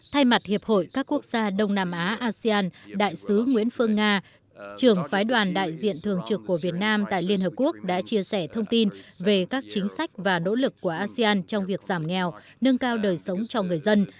thay mặt hiệp hội các quốc gia đông nam á asean đại sứ nguyễn phương nga trưởng phái đoàn đại diện thường trực của việt nam tại liên hợp quốc đã chia sẻ thông tin về các chính sách và nỗ lực của asean trong việc giảm nghèo nâng cao đời sống cho người dân